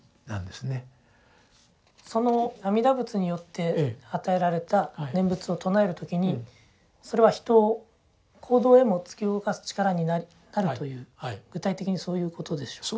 その阿弥陀仏によって与えられた念仏を称える時にそれは人を行動へも突き動かす力になるという具体的にそういうことでしょうか。